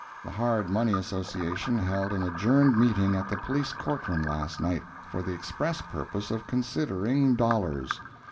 The Hard Money Association held an adjourned meeting at the Police Courtroom last night, for the express purpose of considering dollars.